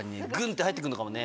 て入ってくんのかもね。